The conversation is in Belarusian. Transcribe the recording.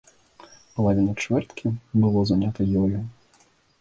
Палавіна чвэрткі было занята ёю.